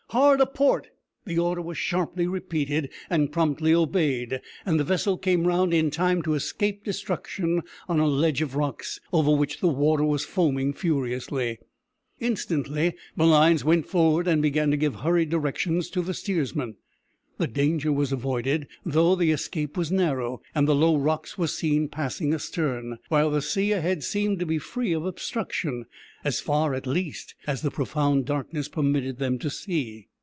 hard a port!" The order was sharply repeated, and promptly obeyed, and the vessel came round in time to escape destruction on a ledge of rocks, over which the water was foaming furiously. Instantly Malines went forward and began to give hurried directions to the steersman. The danger was avoided, though the escape was narrow, and the low rocks were seen passing astern, while the sea ahead seemed to be free from obstruction, as far, at least, as the profound darkness permitted them to see.